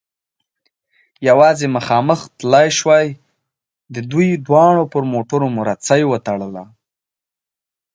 یوازې مخامخ تلای شوای، د دوی دواړو پر موټرو مو رسۍ و تړل.